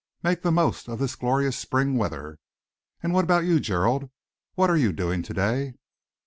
"Make the most of this glorious spring weather. And what about you, Gerald? What are you doing to day?"